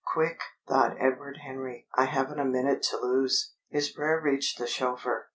"Quick!" thought Edward Henry. "I haven't a minute to lose!" His prayer reached the chauffeur.